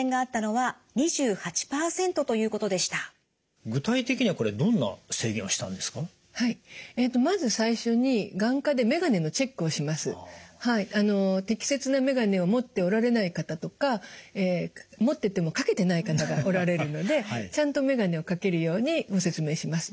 はいまず最初に適切なメガネを持っておられない方とか持ってても掛けてない方がおられるのでちゃんとメガネを掛けるようにご説明します。